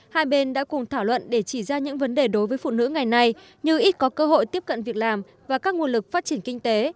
hai bên đã cùng thảo luận để chỉ ra những vấn đề đối với phụ nữ ngày nay như ít có cơ hội tiếp cận việc làm và các nguồn lực phát triển kinh tế